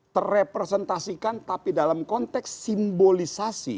terrepresentasikan tapi dalam konteks simbolisasi